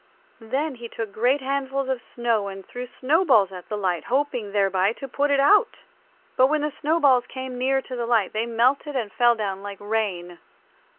Then he took great handfuls of snow and threw snowballs at the light, hoping thereby to put it out. But when the snowballs came near to the light they melted and fell down like rain.